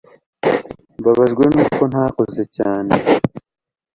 mbabajwe nuko ntakoze cyane